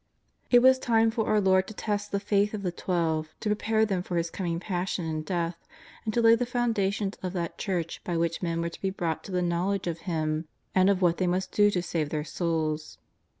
It was time for our Lord to test the faith of the Twelve, to prepare them for His coming Passion and Death, and to lay the foundations of that Church by which men were to be brought to the knowledge of Him and of what they must do to save their souls.